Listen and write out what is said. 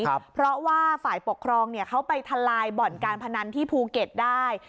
เพราะว่าฝ่ายปกครองเนี่ยเขาไปทลายบ่อนการพนันที่ภูเก็ตได้